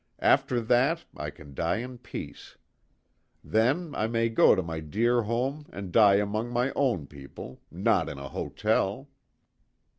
After that I can die in peace. Then I may go to my dear home and die among my own people not in a hotel."